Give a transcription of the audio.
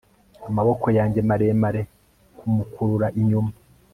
Amaboko yanjye maremare kumukurura inyuma